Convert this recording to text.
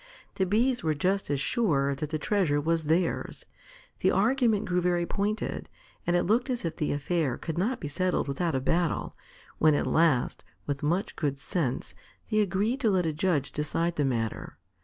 The Bees were just as sure that the treasure was theirs. The argument grew very pointed, and it looked as if the affair could not be settled without a battle, when at last, with much good sense, they agreed to let a judge decide the matter.